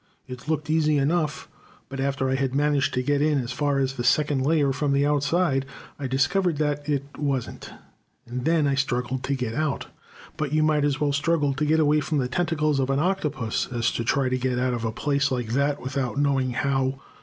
It looked easy enough, but after I had managed to get in as far as the second layer from the outside I discovered that it wasn't; and then I struggled to get out, but you might as well struggle to get away from the tentacles of an octopus as to try to get out of a place like that without knowing how.